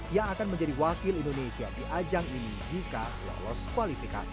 yang akan menjadi wakil indonesia di ajang ini jika lolos kualifikasi